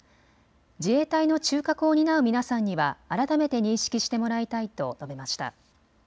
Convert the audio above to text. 自衛隊の中核を担う皆さんには改めて認識してもらいたいと述べました。